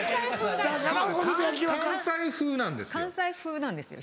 「関西風」なんですよ。